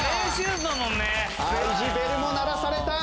ＩＧベルも鳴らされた！